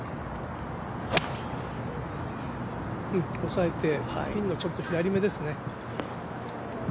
抑えてピンのちょっと左めですね。